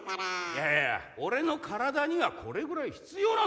いやいや俺の体にはこれぐらい必要なんだよ。